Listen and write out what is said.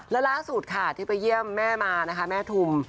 แล้วล่าสุดค่ะที่ไปเยี่ยมแม่มานะคะแม่ทุม